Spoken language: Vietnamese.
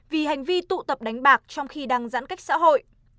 vì hành vi tụ tập đánh bạc trong khi đang giãn cách xã hội